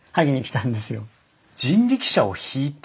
人力車を引いてきた？